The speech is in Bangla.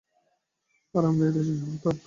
আর আমরা এই দেশের সন্তান।